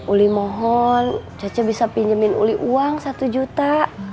uli mohon caca bisa pinjemin uli uang satu juta